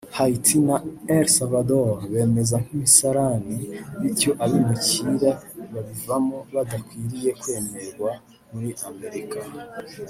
Haiti na El Salvador bimeze nk’imisarani bityo abimukira babivamo badakwiriye kwemerwa muri Amerika